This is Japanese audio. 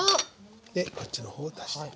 でこっちの方を足していく。